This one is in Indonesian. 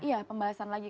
iya pembahasan lagi